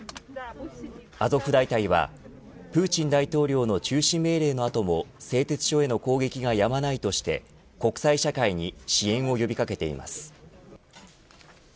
アゾフ大隊はプーチン大統領の中止命令の後も製鉄所への攻撃がやまないとして国際社会に支援を呼び掛けています。